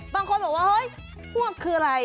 บางคนบอกว่าเฮ้ยพวกคืออะไร